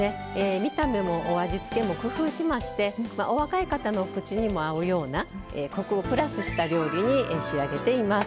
見た目も味付けも工夫しましてお若い方の口にも合うようなコクをプラスした料理に仕上げています。